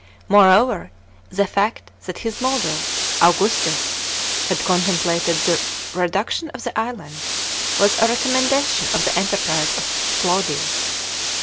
Moreover, the fact that his model, Augustus, had contemplated the redaction of the islan 1, was a recommendation of the enterprise to Claudius.